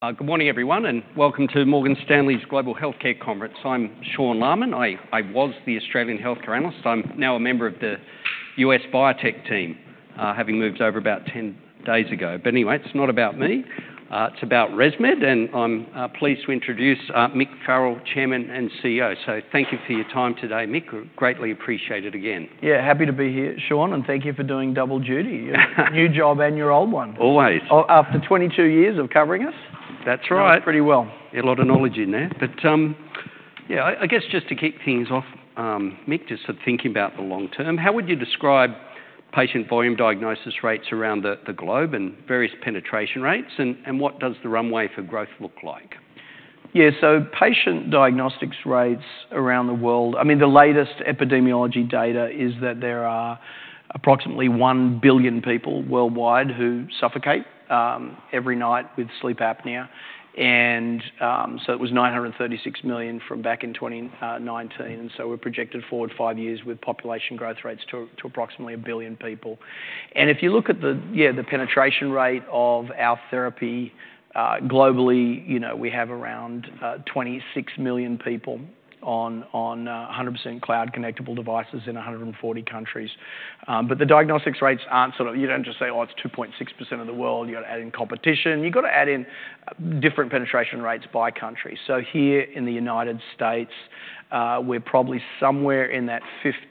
Good morning, everyone, and welcome to Morgan Stanley's Global Healthcare Conference. I'm Sean Laaman. I was the Australian healthcare analyst. I'm now a member of the US Biotech team, having moved over about ten days ago. But anyway, it's not about me, it's about ResMed, and I'm pleased to introduce Mick Farrell, Chairman and CEO. So thank you for your time today, Mick. We greatly appreciate it again. Yeah, happy to be here, Sean, and thank you for doing double duty. Your new job and your old one. Always. After 22 years of covering us? That's right. Know it pretty well. A lot of knowledge in there. But, yeah, I guess just to kick things off, Mick, just sort of thinking about the long term, how would you describe patient volume diagnosis rates around the globe and various penetration rates, and what does the runway for growth look like? Yeah, so patient diagnostics rates around the world, I mean, the latest epidemiology data is that there are approximately 1 billion people worldwide who suffocate every night with sleep apnea. And so it was 936 million from back in 2019, so we're projected forward five years with population growth rates to approximately a billion people. And if you look at the, yeah, the penetration rate of our therapy, globally, you know, we have around 26 million people on 100% cloud-connectable devices in 140 countries. But the diagnostics rates aren't sort of... You don't just say, "Oh, it's 2.6% of the world." You've got to add in competition. You've got to add in different penetration rates by country. So here in the United States, we're probably somewhere in that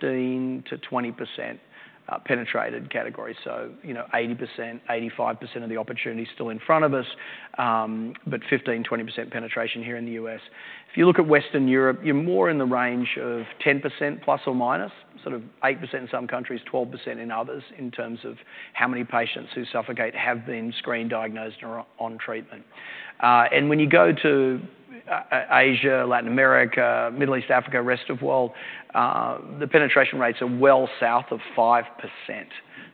15-20% penetrated category. So, you know, 80-85% of the opportunity is still in front of us, but 15-20% penetration here in the US. If you look at Western Europe, you're more in the range of 10% plus or minus, sort of 8% in some countries, 12% in others, in terms of how many patients who suffer have been screened, diagnosed, and are on treatment. And when you go to Asia, Latin America, Middle East, Africa, rest of world, the penetration rates are well south of 5%.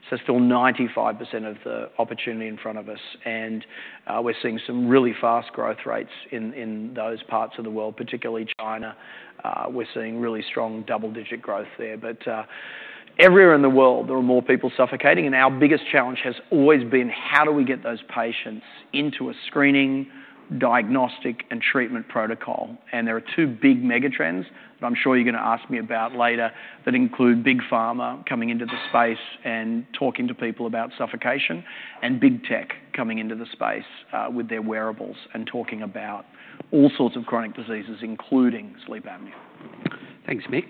So still 95% of the opportunity in front of us, and we're seeing some really fast growth rates in those parts of the world, particularly China. We're seeing really strong double-digit growth there, but everywhere in the world, there are more people suffocating, and our biggest challenge has always been: how do we get those patients into a screening, diagnostic, and treatment protocol, and there are two big megatrends, that I'm sure you're going to ask me about later, that include Big Pharma coming into the space and talking to people about suffocation, and Big Tech coming into the space, with their wearables and talking about all sorts of chronic diseases, including sleep apnea. Thanks, Mick.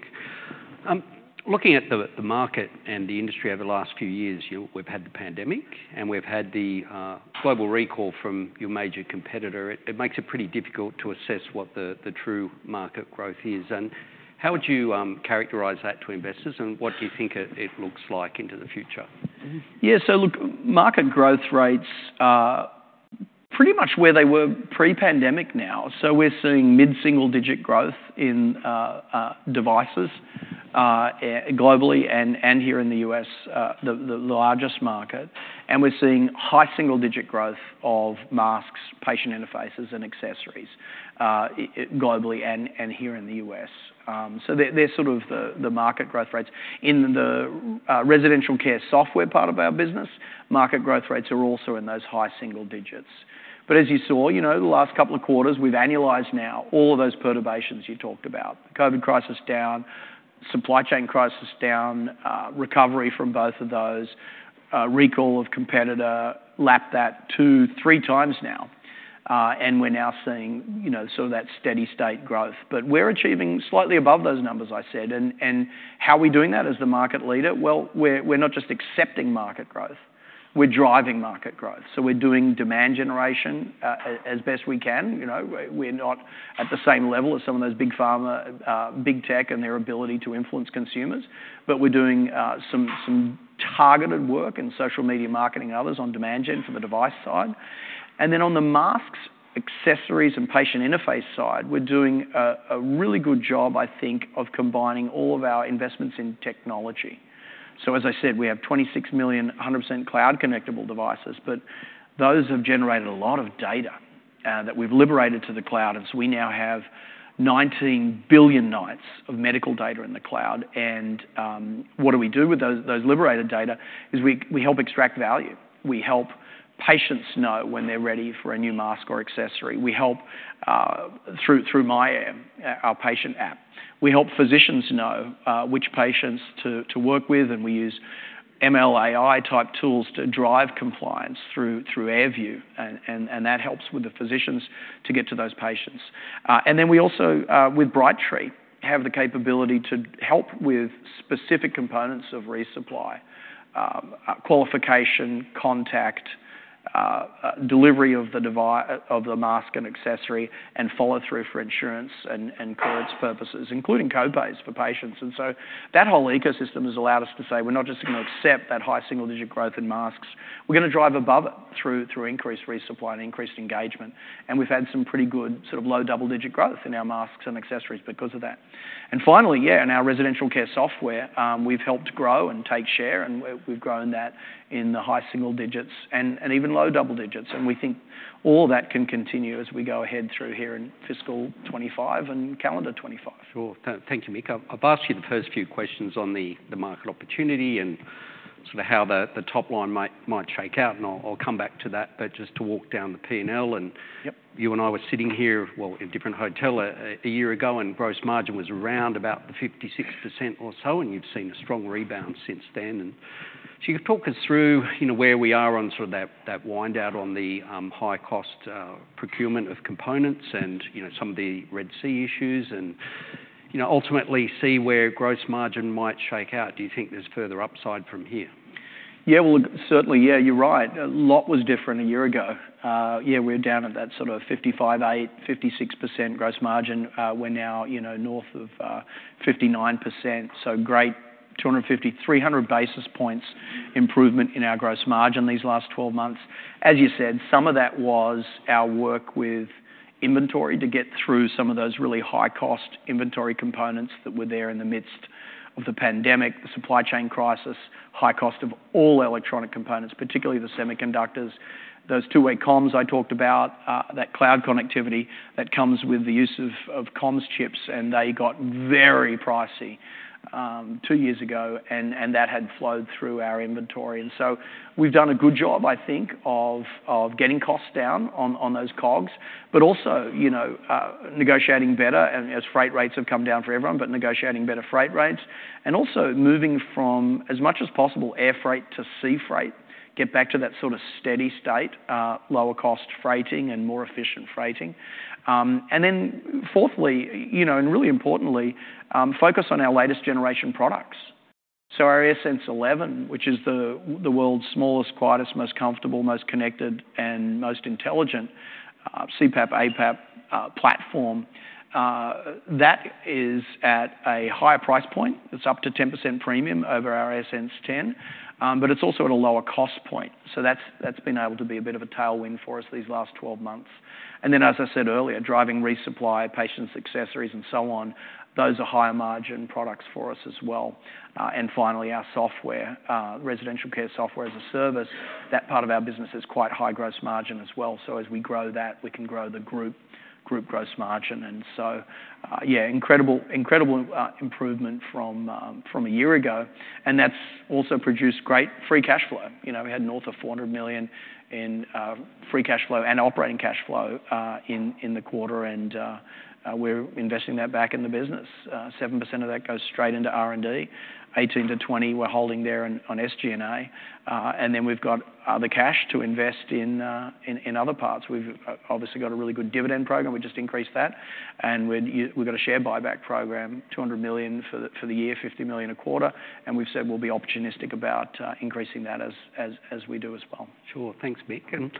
Looking at the market and the industry over the last few years, we've had the pandemic, and we've had the global recall from your major competitor. It makes it pretty difficult to assess what the true market growth is, and how would you characterize that to investors, and what do you think it looks like into the future? Yeah, so look, market growth rates are pretty much where they were pre-pandemic now. So we're seeing mid-single-digit growth in devices globally and here in the U.S., the largest market. And we're seeing high single-digit growth of masks, patient interfaces, and accessories globally and here in the U.S. So they're sort of the market growth rates. In the residential care software part of our business, market growth rates are also in those high single digits. But as you saw, you know, the last couple of quarters, we've annualized now all of those perturbations you talked about. The COVID crisis down, supply chain crisis down, recovery from both of those, recall of competitor, lapped that two, three times now, and we're now seeing, you know, sort of that steady state growth. But we're achieving slightly above those numbers, I said. And how are we doing that as the market leader? Well, we're not just accepting market growth, we're driving market growth. So we're doing demand generation as best we can. You know, we're not at the same level as some of those big pharma, big tech and their ability to influence consumers, but we're doing some targeted work in social media marketing and others on demand gen for the device side. And then on the masks, accessories, and patient interface side, we're doing a really good job, I think, of combining all of our investments in technology. So as I said, we have 26 million, 100% cloud-connectable devices, but those have generated a lot of data that we've liberated to the cloud. We now have 19 billion nights of medical data in the cloud. What do we do with those liberated data? We help extract value. We help patients know when they're ready for a new mask or accessory. We help through myAir, our patient app. We help physicians know which patients to work with, and we use ML/AI-type tools to drive compliance through AirView, and that helps with the physicians to get to those patients. Then we also with Brightree have the capability to help with specific components of resupply, qualification, contact, delivery of the mask and accessory, and follow-through for insurance and codes purposes, including co-pays for patients. And so that whole ecosystem has allowed us to say, "We're not just going to accept that high single-digit growth in masks. We're going to drive above it through increased resupply and increased engagement." And we've had some pretty good sort of low double-digit growth in our masks and accessories because of that. And finally, yeah, in our residential care software, we've helped grow and take share, and we've grown that in the high single digits and even low double digits. And we think all that can continue as we go ahead through here in fiscal 2025 and calendar 2025. Sure. Thank you, Mick. I've asked you the first few questions on the market opportunity and sort of how the top line might shake out, and I'll come back to that. But just to walk down the P&L and- Yep. You and I were sitting here, well, in a different hotel a year ago, and gross margin was around about the 56% or so, and you've seen a strong rebound since then. So can you talk us through, you know, where we are on sort of that wind-down on the high cost procurement of components and, you know, some of the Red Sea issues, and, you know, ultimately see where gross margin might shake out? Do you think there's further upside from here? Yeah, well, certainly, yeah, you're right. A lot was different a year ago. Yeah, we're down at that sort of 55.8%-56% gross margin. We're now, you know, north of 59%, so great, 250-300 basis points improvement in our gross margin these last twelve months. As you said, some of that was our work with inventory to get through some of those really high-cost inventory components that were there in the midst of the pandemic, the supply chain crisis, high cost of all electronic components, particularly the semiconductors. Those two-way comms I talked about, that cloud connectivity that comes with the use of comms chips, and they got very pricey two years ago, and that had flowed through our inventory. And so we've done a good job, I think, of getting costs down on those COGS, but also, you know, negotiating better, and as freight rates have come down for everyone, but negotiating better freight rates. And also moving from, as much as possible, air freight to sea freight, get back to that sort of steady state, lower cost freighting and more efficient freighting. And then fourthly, you know, and really importantly, focus on our latest generation products. So our AirSense 11, which is the world's smallest, quietest, most comfortable, most connected, and most intelligent, CPAP, APAP, platform, that is at a higher price point. It's up to 10% premium over our AirSense 10, but it's also at a lower cost point, so that's been able to be a bit of a tailwind for us these last 12 months. And then, as I said earlier, driving resupply, patients, accessories, and so on, those are higher margin products for us as well. And finally, our software, residential care software as a service, that part of our business is quite high gross margin as well. So as we grow that, we can grow the group gross margin, and so, yeah, incredible improvement from a year ago, and that's also produced great free cash flow. You know, we had north of $400 million in free cash flow and operating cash flow in the quarter, and we're investing that back in the business. Seven percent of that goes straight into R&D, 18%-20% we're holding there on SG&A, and then we've got other cash to invest in other parts. We've obviously got a really good dividend program, we just increased that, and we've got a share buyback program, $200 million for the year, $50 million a quarter, and we've said we'll be opportunistic about increasing that as we do as well. Sure. Thanks, Mick. And,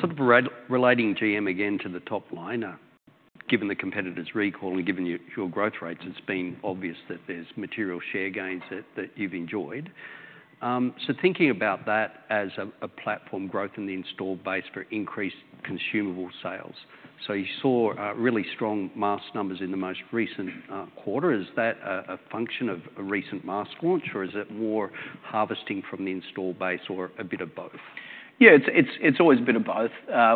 sort of relating GM again to the top line, given the competitor's recall and given your growth rates, it's been obvious that there's material share gains that you've enjoyed. So thinking about that as a platform growth in the installed base for increased consumable sales. So you saw really strong mask numbers in the most recent quarter. Is that a function of a recent mask launch, or is it more harvesting from the install base or a bit of both? Yeah, it's always a bit of both.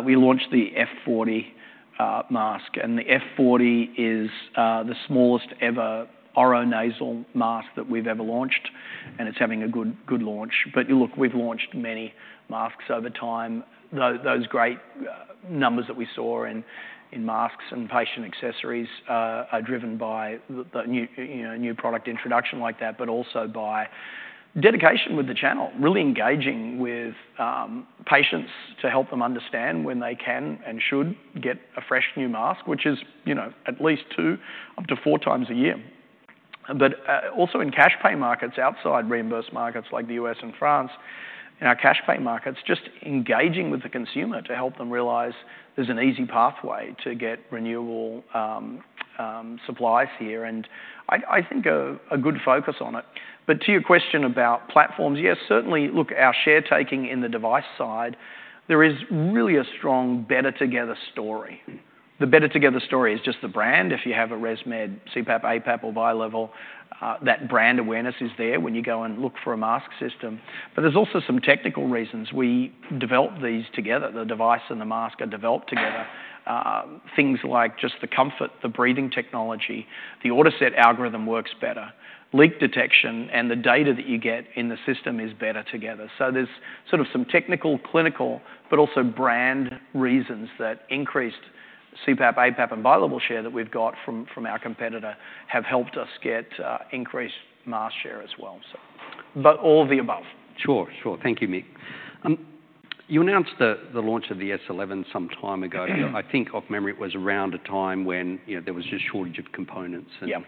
We launched the F40 mask, and the F40 is the smallest ever oro-nasal mask that we've ever launched, and it's having a good launch. But look, we've launched many masks over time. Those great numbers that we saw in masks and patient accessories are driven by the new product introduction like that, but also by dedication with the channel, really engaging with patients to help them understand when they can and should get a fresh new mask, which is, you know, at least two up to four times a year. But also in cash pay markets outside reimbursed markets like the U.S. and France, in our cash pay markets, just engaging with the consumer to help them realize there's an easy pathway to get renewable supplies here, and I think a good focus on it. But to your question about platforms, yes, certainly, look, our share taking in the device side, there is really a strong better together story. The better together story is just the brand. If you have a ResMed CPAP, APAP, or BiLevel, that brand awareness is there when you go and look for a mask system. But there's also some technical reasons. We develop these together. The device and the mask are developed together. Things like just the comfort, the breathing technology, the autoset algorithm works better, leak detection, and the data that you get in the system is better together. So there's sort of some technical, clinical, but also brand reasons that increased CPAP, APAP, and BiLevel share that we've got from our competitor have helped us get, increased mask share as well, so... But all of the above. Sure, sure. Thank you, Mick. You announced the launch of the S11 some time ago. Mm-hmm. I think from memory, it was around a time when, you know, there was just shortage of components and- Yeah.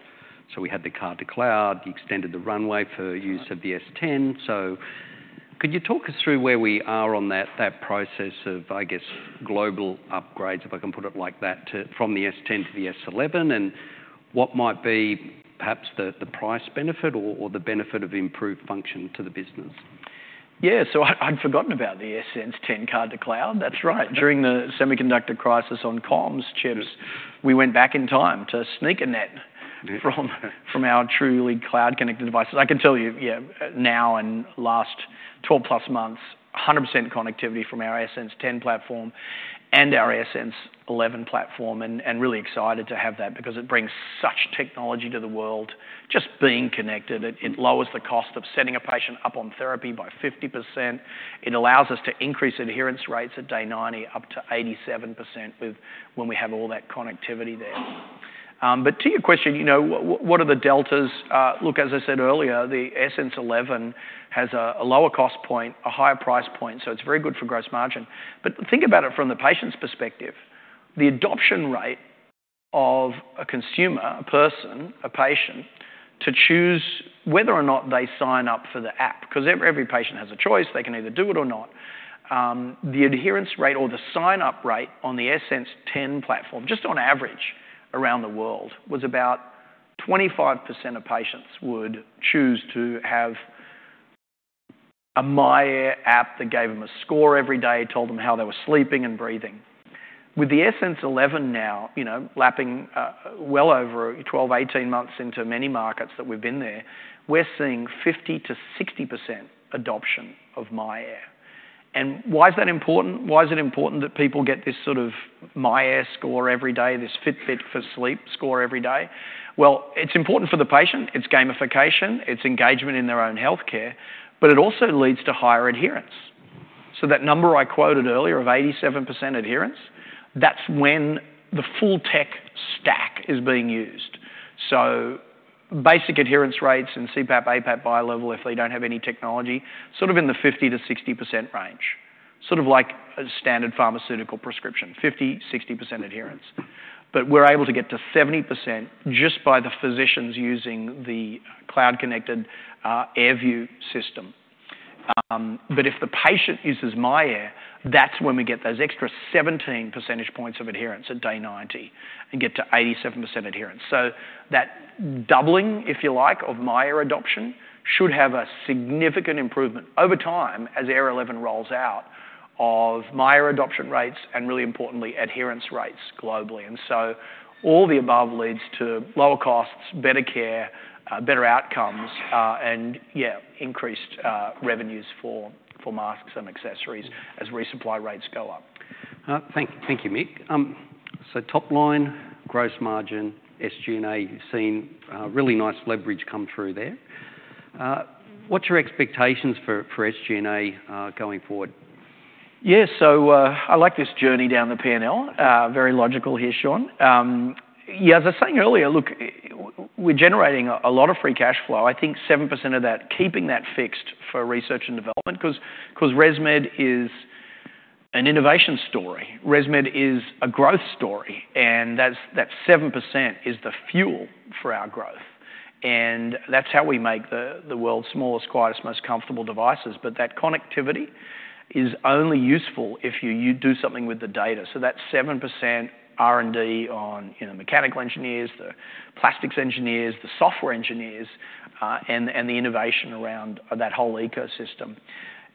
So, we had the Card-to-Cloud. You extended the runway for use of the S10. Could you talk us through where we are on that process of, I guess, global upgrades, if I can put it like that, to, from the S10 to the S11, and what might be perhaps the price benefit or the benefit of improved function to the business? Yeah, so I, I'd forgotten about the AirSense 10 Card-to-Cloud. That's right. Yeah. During the semiconductor crisis on comms chips- Yes... we went back in time to sneaker net from our truly cloud-connected devices. I can tell you, yeah, now and last twelve plus months, 100% connectivity from our AirSense 10 platform and our AirSense 11 platform, and really excited to have that because it brings such technology to the world. Just being connected, it lowers the cost of setting a patient up on therapy by 50%. It allows us to increase adherence rates at day 90 up to 87% when we have all that connectivity there. But to your question, you know, what are the deltas? Look, as I said earlier, the AirSense 11 has a lower cost point, a higher price point, so it's very good for gross margin. But think about it from the patient's perspective. The adoption rate of a consumer, a person, a patient, to choose whether or not they sign up for the app, 'cause every patient has a choice, they can either do it or not. The adherence rate or the sign-up rate on the AirSense 10 platform, just on average around the world, was about 25% of patients would choose to have a myAir app that gave them a score every day, told them how they were sleeping and breathing. With the AirSense 11 now, you know, lapping well over 12-18 months into many markets that we've been there, we're seeing 50%-60% adoption of myAir. Why is that important? Why is it important that people get this sort of myAir score every day, this Fitbit for sleep score every day? It's important for the patient. It's gamification, it's engagement in their own healthcare, but it also leads to higher adherence. So that number I quoted earlier of 87% adherence, that's when the full tech stack is being used. So basic adherence rates in CPAP, APAP, bilevel, if they don't have any technology, sort of in the 50%-60% range. Sort of like a standard pharmaceutical prescription, 50%-60% adherence. But we're able to get to 70% just by the physicians using the cloud-connected, AirView system. But if the patient uses myAir, that's when we get those extra 17 percentage points of adherence at day 90 and get to 87% adherence. So that doubling, if you like, of myAir adoption, should have a significant improvement over time as Air 11 rolls out of myAir adoption rates and, really importantly, adherence rates globally. And so all the above leads to lower costs, better care, better outcomes, and increased revenues for masks and accessories as resupply rates go up. Thank you, Mick. So top line, gross margin, SG&A, you've seen really nice leverage come through there. What's your expectations for SG&A going forward? Yeah, so, I like this journey down the P&L. Very logical here, Sean. Yeah, as I was saying earlier, look, we're generating a lot of free cash flow. I think 7% of that, keeping that fixed for research and development, 'cause ResMed is an innovation story. ResMed is a growth story, and that's, that 7% is the fuel for our growth, and that's how we make the world's smallest, quietest, most comfortable devices. But that connectivity is only useful if you do something with the data. So that 7% R&D on, you know, mechanical engineers, the plastics engineers, the software engineers, and the innovation around that whole ecosystem.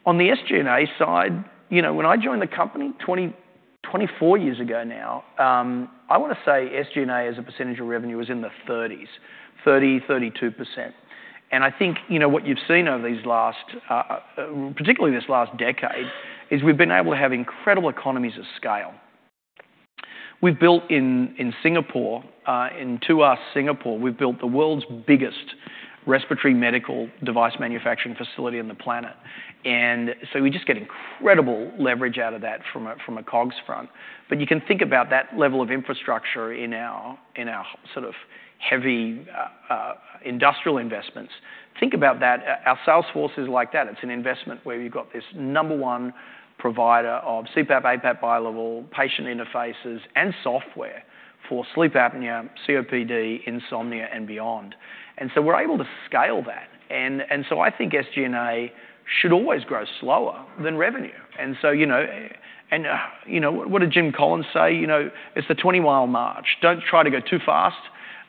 On the SG&A side, you know, when I joined the company 24 years ago now, I wanna say SG&A, as a percentage of revenue, was in the 30s, 32%. And I think, you know, what you've seen over these last, particularly this last decade, is we've been able to have incredible economies of scale. We've built in Singapore, in Tuas, Singapore, we've built the world's biggest respiratory medical device manufacturing facility on the planet, and so we just get incredible leverage out of that from a COGS front. But you can think about that level of infrastructure in our sort of heavy industrial investments. Think about that. Our sales force is like that. It's an investment where you've got this number one provider of CPAP, APAP, bilevel, patient interfaces, and software for sleep apnea, COPD, insomnia, and beyond. So we're able to scale that. And so I think SG&A should always grow slower than revenue. You know, what did Jim Collins say? You know, "It's the twenty-mile march. Don't try to go too fast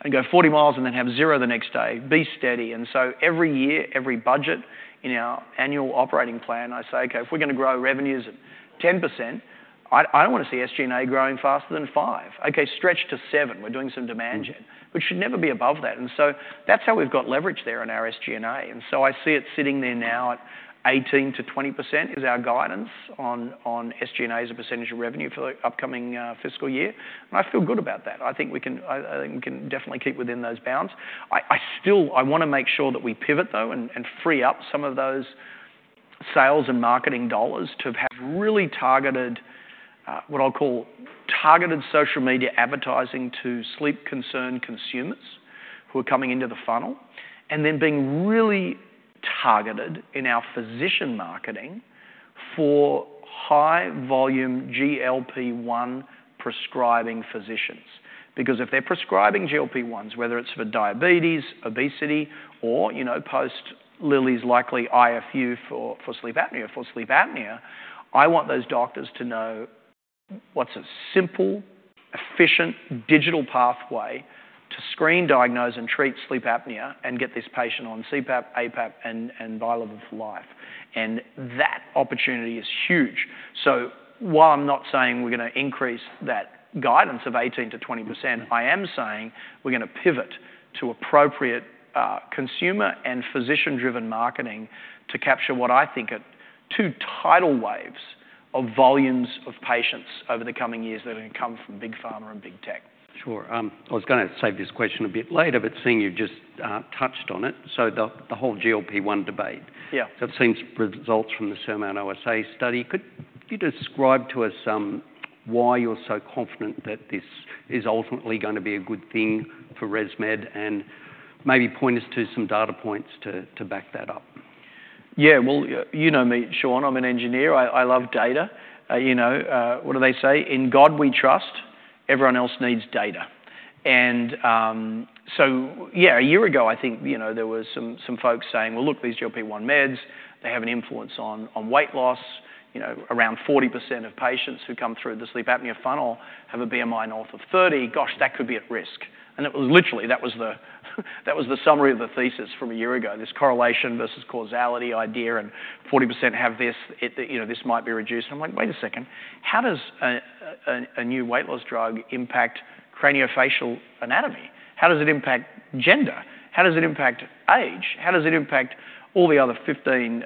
and go forty miles and then have zero the next day. Be steady." Every year, every budget in our annual operating plan, I say, "Okay, if we're gonna grow revenues at 10%, I don't want to see SG&A growing faster than 5%. Okay, stretch to 7%. We're doing some demand gen, but should never be above that. And so that's how we've got leverage there in our SG&A, and so I see it sitting there now at 18%-20% is our guidance on, on SG&A as a percentage of revenue for the upcoming fiscal year. And I feel good about that. I think we can, I think we can definitely keep within those bounds. I still, I wanna make sure that we pivot, though, and free up some of those sales and marketing dollars to have really targeted what I'll call targeted social media advertising to sleep-concerned consumers who are coming into the funnel. And then being really targeted in our physician marketing for high-volume GLP-1 prescribing physicians. Because if they're prescribing GLP-1s, whether it's for diabetes, obesity, or, you know, post Lilly's likely IFU for sleep apnea, I want those doctors to know what's a simple, efficient, digital pathway to screen, diagnose, and treat sleep apnea and get this patient on CPAP, APAP, and BiLevel for life. And that opportunity is huge. So while I'm not saying we're gonna increase that guidance of 18%-20%, I am saying we're gonna pivot to appropriate consumer and physician-driven marketing to capture what I think are two tidal waves of volumes of patients over the coming years that are gonna come from big pharma and big tech. Sure. I was gonna save this question a bit later, but seeing you've just touched on it, so the whole GLP-1 debate. Yeah. It seems results from the SURMOUNT-OSA study. Could you describe to us why you're so confident that this is ultimately gonna be a good thing for ResMed, and maybe point us to some data points to back that up? Yeah, well, you know me, Sean. I'm an engineer. I love data. You know, what do they say? "In God we trust. Everyone else needs data." And, so yeah, a year ago, I think, you know, there was some folks saying: Well, look, these GLP-1 meds, they have an influence on weight loss. You know, around 40% of patients who come through the sleep apnea funnel have a BMI north of 30. Gosh, that could be at risk. And it was literally, that was the summary of the thesis from a year ago, this correlation versus causality idea, and 40% have this, you know, this might be reduced. I'm like: Wait a second, how does a new weight loss drug impact craniofacial anatomy? How does it impact gender? How does it impact age? How does it impact all the other 15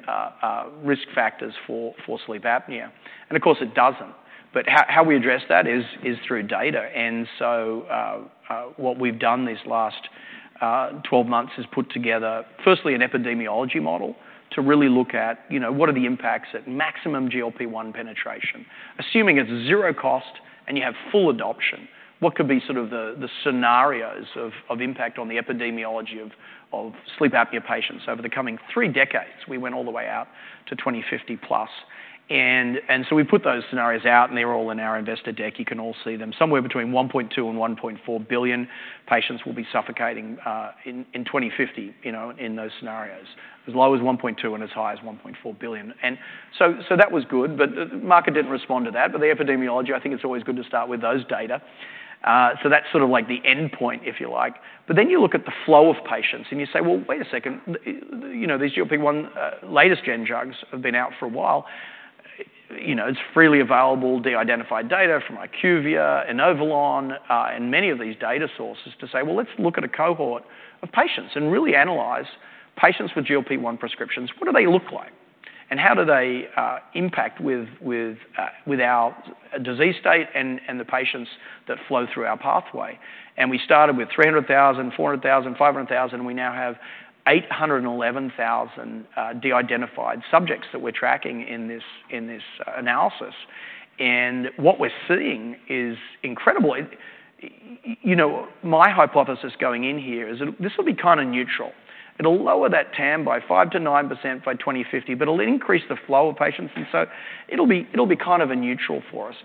risk factors for sleep apnea? And, of course, it doesn't. But how we address that is through data. And so, what we've done these last 12 months is put together, firstly, an epidemiology model to really look at, you know, what are the impacts at maximum GLP-1 penetration? Assuming it's zero cost and you have full adoption, what could be sort of the scenarios of impact on the epidemiology of sleep apnea patients over the coming three decades? We went all the way out to 2050 plus. And so we put those scenarios out, and they were all in our investor deck. You can all see them. Somewhere between 1.2 and 1.4 billion patients will be suffocating in 2050, you know, in those scenarios. As low as 1.2 and as high as 1.4 billion. So that was good, but the market didn't respond to that. The epidemiology, I think it's always good to start with those data. So that's sort of like the endpoint, if you like. But then you look at the flow of patients and you say: Well, wait a second, you know, these GLP-1 latest-gen drugs have been out for a while. You know, it's freely available, de-identified data from IQVIA, Inovalon, and many of these data sources to say, well, let's look at a cohort of patients and really analyze patients with GLP-1 prescriptions. What do they look like, and how do they impact with our disease state and the patients that flow through our pathway? We started with 300,000, 400,000, 500,000, and we now have 811,000 de-identified subjects that we're tracking in this analysis. And what we're seeing is incredible. You know, my hypothesis going in here is that this will be kind of neutral. It'll lower that TAM by 5%-9% by 2050, but it'll increase the flow of patients, and so it'll be kind of a neutral for us.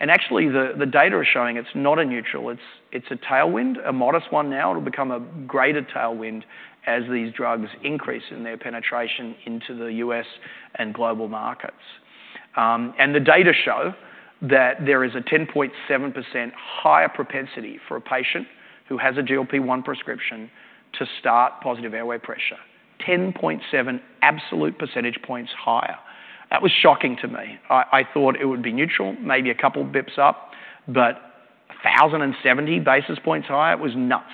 And actually, the data is showing it's not a neutral, it's a tailwind, a modest one now. It'll become a greater tailwind as these drugs increase in their penetration into the US and global markets. And the data show that there is a 10.7% higher propensity for a patient who has a GLP-1 prescription to start positive airway pressure. 10.7 absolute percentage points higher. That was shocking to me. I thought it would be neutral, maybe a couple of basis points up, but 1,070 basis points higher? It was nuts.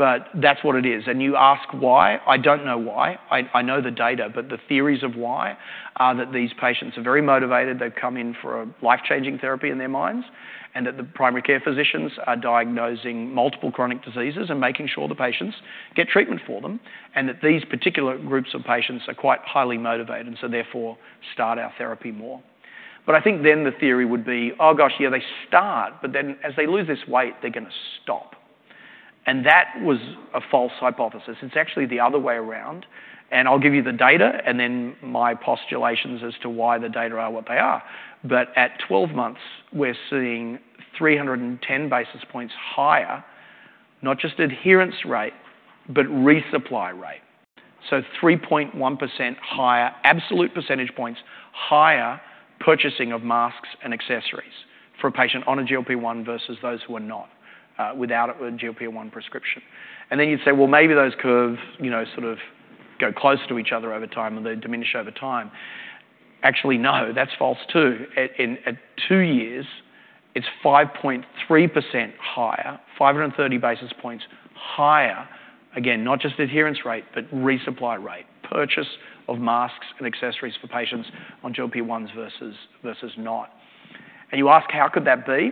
But that's what it is. And you ask why? I don't know why. I know the data, but the theories of why are that these patients are very motivated, they've come in for a life-changing therapy in their minds, and that the primary care physicians are diagnosing multiple chronic diseases and making sure the patients get treatment for them, and that these particular groups of patients are quite highly motivated, and so therefore, start our therapy more. But I think then the theory would be, oh, gosh, yeah, they start, but then as they lose this weight, they're gonna stop. And that was a false hypothesis. It's actually the other way around, and I'll give you the data, and then my postulations as to why the data are what they are. But at twelve months, we're seeing three hundred and ten basis points higher, not just adherence rate, but resupply rate. So 3.1% higher, absolute percentage points higher, purchasing of masks and accessories for a patient on a GLP-1 versus those who are not, without a GLP-1 prescription. And then you'd say, well, maybe those curves, you know, sort of go close to each other over time, and they diminish over time. Actually, no, that's false, too. At two years, it's 5.3% higher, 530 basis points higher. Again, not just adherence rate, but resupply rate, purchase of masks and accessories for patients on GLP-1s versus not. And you ask, how could that be?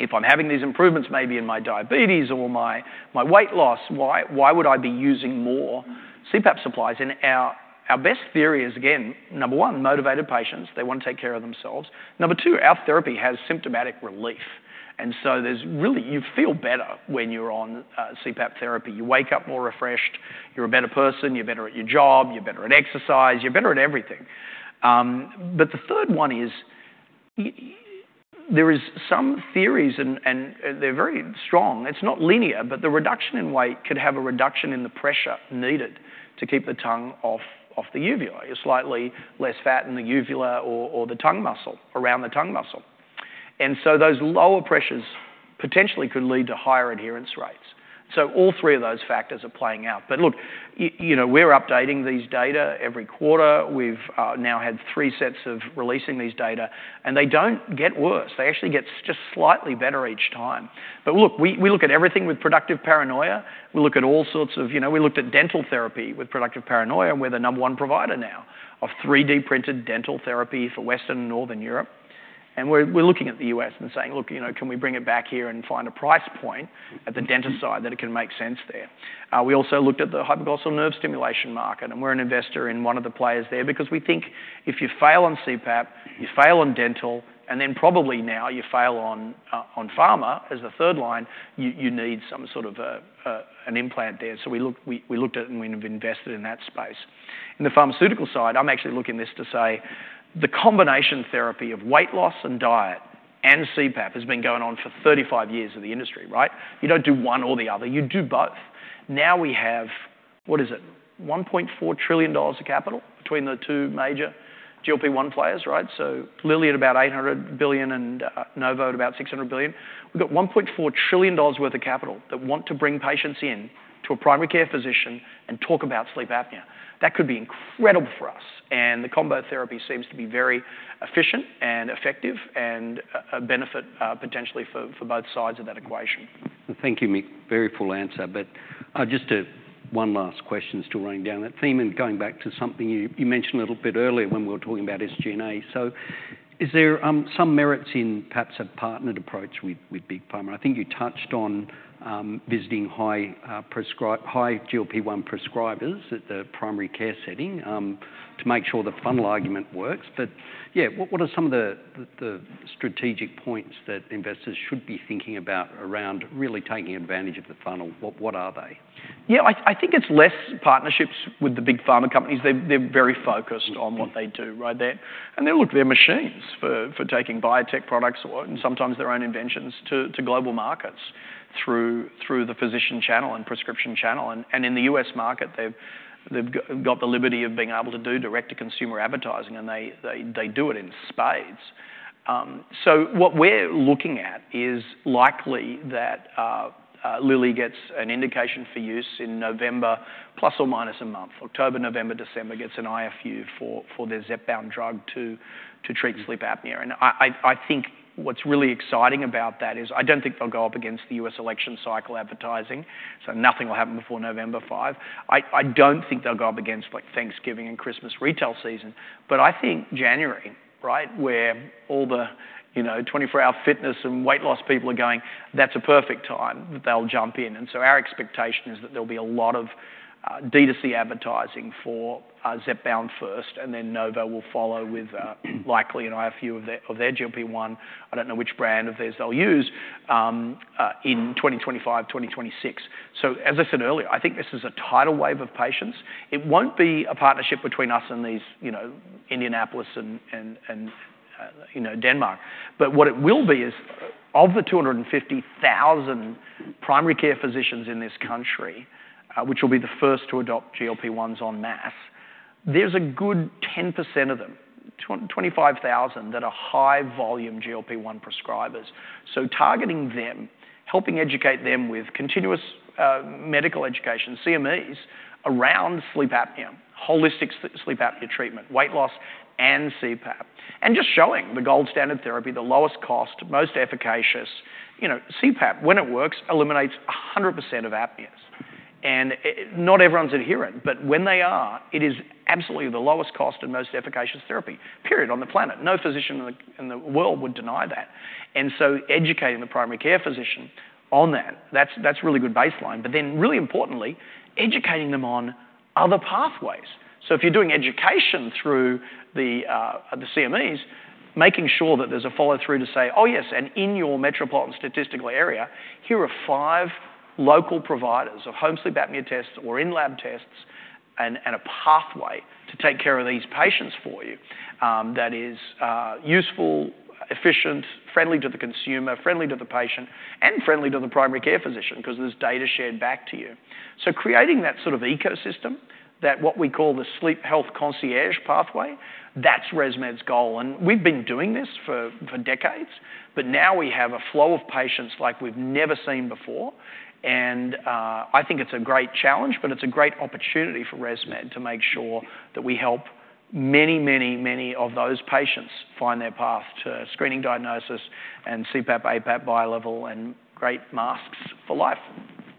If I'm having these improvements, maybe in my diabetes or my weight loss, why would I be using more CPAP supplies? And our best theory is, again, number one, motivated patients, they want to take care of themselves. Number two, our therapy has symptomatic relief, and so there's really you feel better when you're on CPAP therapy. You wake up more refreshed, you're a better person, you're better at your job, you're better at exercise, you're better at everything. But the third one is, there is some theories and they're very strong. It's not linear, but the reduction in weight could have a reduction in the pressure needed to keep the tongue off the uvula. You're slightly less fat in the uvula or the tongue muscle, around the tongue muscle... And so those lower pressures potentially could lead to higher adherence rates. So all three of those factors are playing out. But look, you know, we're updating these data every quarter. We've now had three sets of releasing these data, and they don't get worse. They actually get just slightly better each time. But look, we look at everything with productive paranoia. We look at all sorts of- you know, we looked at dental therapy with productive paranoia, and we're the number one provider now of 3D-printed dental therapy for Western and Northern Europe. We're looking at the U.S. and saying: "Look, you know, can we bring it back here and find a price point at the dental side that it can make sense there?" We also looked at the hypoglossal nerve stimulation market, and we're an investor in one of the players there because we think if you fail on CPAP, you fail on dental, and then probably now you fail on pharma as a third line, you need some sort of an implant there. So we looked at it, and we have invested in that space. In the pharmaceutical side, I'm actually saying this to say: The combination therapy of weight loss and diet and CPAP has been going on for 35 years in the industry, right? You don't do one or the other, you do both. Now we have, what is it? $1.4 trillion of capital between the two major GLP-1 players, right? So Lilly at about $800 billion and, Novo at about $600 billion. We've got $1.4 trillion worth of capital that want to bring patients in to a primary care physician and talk about sleep apnea. That could be incredible for us, and the combo therapy seems to be very efficient and effective, and a benefit, potentially for both sides of that equation. Thank you, Mick. Very full answer, but just one last question still running down that theme and going back to something you mentioned a little bit earlier when we were talking about SG&A. So is there some merits in perhaps a partnered approach with Big Pharma? I think you touched on visiting high GLP-1 prescribers at the primary care setting to make sure the funnel argument works. But, yeah, what are some of the strategic points that investors should be thinking about around really taking advantage of the funnel? What are they? Yeah, I think it's less partnerships with the big pharma companies. They're very focused on what they do, right? They're machines for taking biotech products or sometimes their own inventions to global markets through the physician channel and prescription channel. And in the U.S. market, they've got the liberty of being able to do direct-to-consumer advertising, and they do it in spades. So what we're looking at is likely that Lilly gets an indication for use in November, plus or minus a month. October, November, December, gets an IFU for their Zepbound drug to treat sleep apnea. And I think what's really exciting about that is I don't think they'll go up against the U.S. election cycle advertising, so nothing will happen before November 5. I don't think they'll go up against, like, Thanksgiving and Christmas retail season, but I think January, right, where all the, you know, 24 Hour Fitness and weight loss people are going, that's a perfect time that they'll jump in. And so our expectation is that there'll be a lot of D2C advertising for Zepbound first, and then Novo will follow with likely an IFU of their GLP-1, I don't know which brand of theirs they'll use in 2025, 2026. So as I said earlier, I think this is a tidal wave of patients. It won't be a partnership between us and these, you know, Indianapolis and Denmark. But what it will be is, of the 250,000 primary care physicians in this country, which will be the first to adopt GLP-1s en masse, there's a good 10% of them, 25,000, that are high-volume GLP-1 prescribers. So targeting them, helping educate them with continuous, medical education, CMEs, around sleep apnea, holistic sleep apnea treatment, weight loss, and CPAP, and just showing the gold standard therapy, the lowest cost, most efficacious. You know, CPAP, when it works, eliminates 100% of apneas. And, not everyone's adherent, but when they are, it is absolutely the lowest cost and most efficacious therapy, period, on the planet. No physician in the world would deny that. And so educating the primary care physician on that, that's really good baseline, but then, really importantly, educating them on other pathways. So if you're doing education through the CMEs, making sure that there's a follow-through to say, "Oh, yes, and in your metropolitan statistical area, here are five local providers of home sleep apnea tests or in-lab tests and a pathway to take care of these patients for you," that is useful, efficient, friendly to the consumer, friendly to the patient, and friendly to the primary care physician because there's data shared back to you. So creating that sort of ecosystem, that what we call the sleep health concierge pathway, that's ResMed's goal, and we've been doing this for decades. But now we have a flow of patients like we've never seen before, and I think it's a great challenge, but it's a great opportunity for ResMed to make sure that we help many, many, many of those patients find their path to screening, diagnosis, and CPAP, APAP, BiLevel, and great masks for life.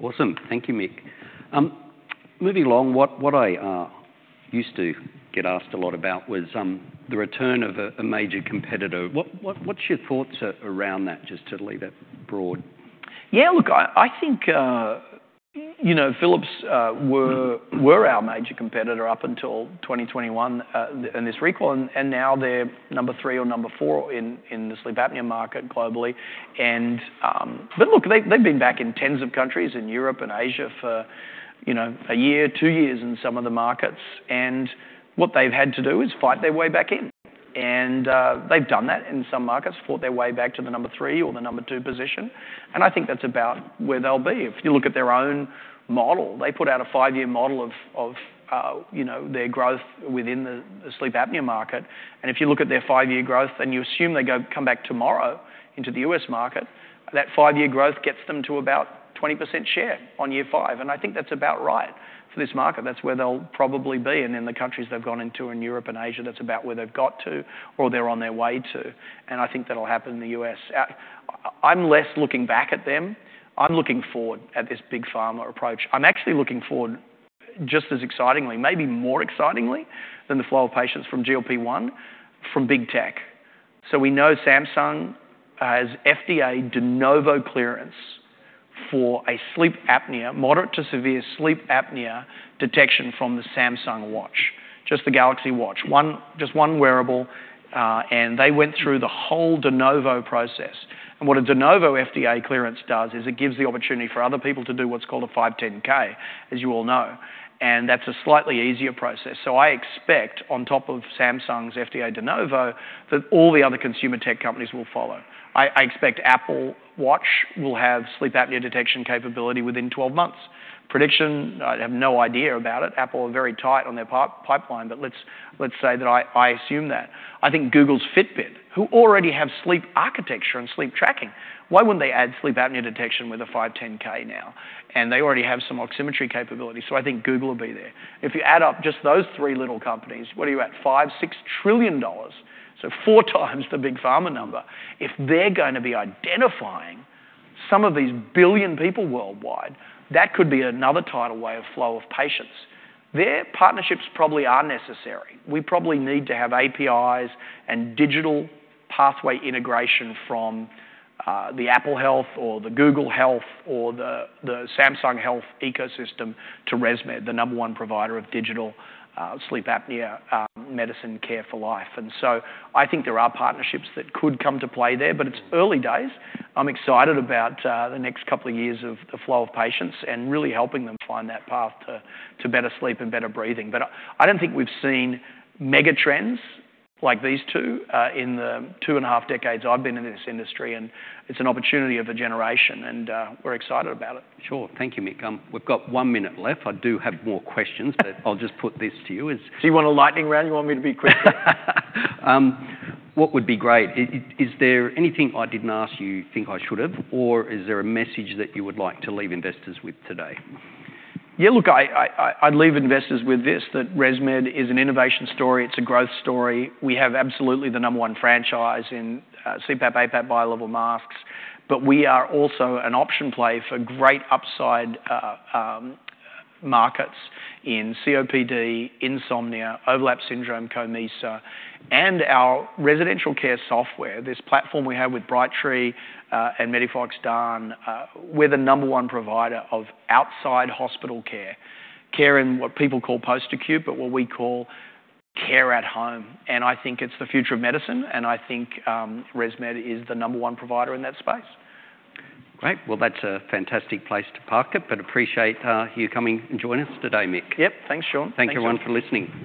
Awesome. Thank you, Mick. Moving along, what I used to get asked a lot about was the return of a major competitor. What's your thoughts around that? Just to leave that broad. Yeah, look, I think, you know, Philips were our major competitor up until 2021, and this recall, and now they're number three or number four in the sleep apnea market globally, but look, they've been back in tens of countries, in Europe and Asia for, you know, a year, two years in some of the markets, and what they've had to do is fight their way back in. They've done that in some markets, fought their way back to the number three or the number two position, and I think that's about where they'll be. If you look at their own model, they put out a five-year model of, you know, their growth within the sleep apnea market. And if you look at their five-year growth, and you assume they come back tomorrow into the U.S. market, that five-year growth gets them to about 20% share on year five, and I think that's about right for this market. That's where they'll probably be. And in the countries they've gone into, in Europe and Asia, that's about where they've got to or they're on their way to, and I think that'll happen in the U.S. I'm less looking back at them. I'm looking forward at this big pharma approach. I'm actually looking forward just as excitingly, maybe more excitingly, than the flow of patients from GLP-1, from big tech. So we know Samsung has FDA de novo clearance for a sleep apnea, moderate to severe sleep apnea detection from the Samsung Watch, just the Galaxy Watch. Just one wearable, and they went through the whole de novo process. What a de novo FDA clearance does is it gives the opportunity for other people to do what's called a 510(k), as you all know, and that's a slightly easier process. So I expect, on top of Samsung's FDA de novo, that all the other consumer tech companies will follow. I, I expect Apple Watch will have sleep apnea detection capability within 12 months. Prediction, I have no idea about it. Apple are very tight on their pipeline, but let's, let's say that I, I assume that. I think Google's Fitbit, who already have sleep architecture and sleep tracking, why wouldn't they add sleep apnea detection with a 510(k) now? And they already have some oximetry capability, so I think Google will be there. If you add up just those three little companies, what are you at? $5-$6 trillion, so four times the big pharma number. If they're gonna be identifying some of these billion people worldwide, that could be another tidal wave of flow of patients. Their partnerships probably are necessary. We probably need to have APIs and digital pathway integration from the Apple Health or the Google Health or the Samsung Health ecosystem to ResMed, the number one provider of digital sleep apnea medicine care for life. And so I think there are partnerships that could come to play there, but it's early days. I'm excited about the next couple of years of the flow of patients and really helping them find that path to better sleep and better breathing. But I don't think we've seen mega trends like these two in the two and a half decades I've been in this industry, and it's an opportunity of a generation, and we're excited about it. Sure. Thank you, Mick. We've got one minute left. I do have more questions, but I'll just put this to you as- Do you want a lightning round? You want me to be quick? What would be great, is there anything I didn't ask you, you think I should have, or is there a message that you would like to leave investors with today? Yeah, look, I'd leave investors with this, that ResMed is an innovation story. It's a growth story. We have absolutely the number one franchise in CPAP, APAP BiLevel masks, but we are also an option play for great upside markets in COPD, insomnia, overlap syndrome, COMISA, and our residential care software. This platform we have with Brightree and MEDIFOX DAN, we're the number one provider of outside hospital care. Care in what people call post-acute, but what we call care at home, and I think it's the future of medicine, and I think ResMed is the number one provider in that space. Great. That's a fantastic place to park it, but appreciate you coming and joining us today, Mick. Yep. Thanks, Sean. Thank you, everyone, for listening.